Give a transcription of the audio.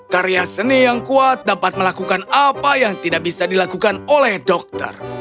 karya seni yang kuat dapat melakukan apa yang tidak bisa dilakukan oleh dokter